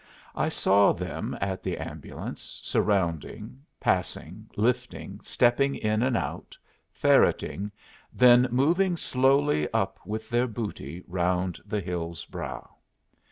I saw them at the ambulance, surrounding, passing, lifting, stepping in and out, ferreting, then moving slowly up with their booty round the hill's brow.